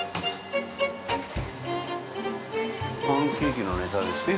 パンケーキのねタネですね。